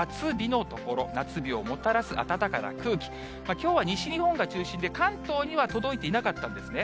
きょうは西日本が中心で、関東には届いていなかったんですね。